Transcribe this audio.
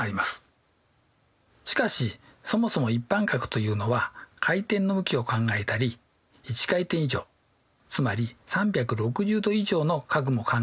しかしそもそも一般角というのは回転の向きを考えたり１回転以上つまり３６０°以上の角も考えたりするんでしたよね。